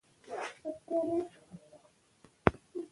احمدشاه بابا د ډیرو قومونو ترمنځ اتحاد راووست.